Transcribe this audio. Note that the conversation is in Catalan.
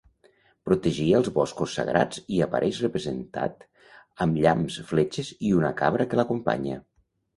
Protegia els boscos sagrats i apareix representat amb llamps, fletxes i una cabra que l'acompanya.